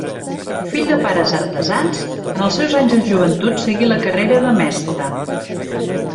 Fill de pares artesans, en els seus anys de joventut seguí la carrera de mestre.